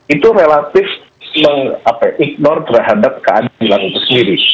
itu relatif meng ignore terhadap keadilan itu sendiri